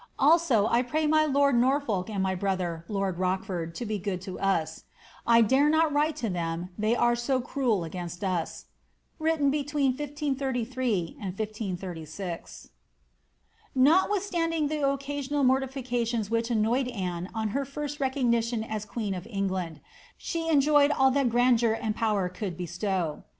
Also, I pray my lord Norfolk and my brother (lord Rochford) to be good to us. I dare not write to them, they are so cruel against us." ( Written between 1533 and 1S36.) Notwithstanding the occasional mortifications which annoyed Anne on her first recognition as queen of England, she enjoyed all that grandeur and power could bestow.